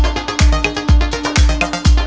abis total banget nih